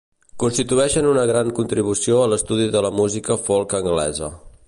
Constitueixen una gran contribució a l'estudi de la música folk anglesa.